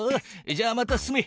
じゃあまた進め。